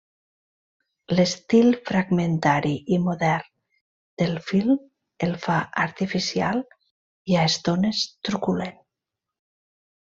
L'estil fragmentari i modern del film el fa artificial i a estones truculent.